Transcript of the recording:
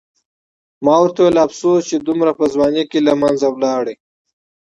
ما ورته وویل: افسوس چې دومره په ځوانۍ کې له منځه ولاړ.